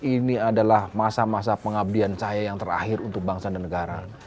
ini adalah masa masa pengabdian saya yang terakhir untuk bangsa dan negara